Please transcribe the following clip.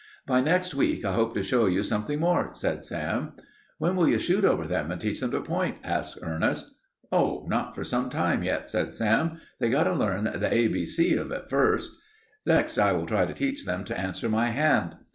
"By next week I hope to show you something more," said Sam. "When will you shoot over them and teach them to point?" asked Ernest. "Oh, not for some time yet," said Sam. "They've got to learn the a b c of it first. Next I shall try to teach them to answer my hand.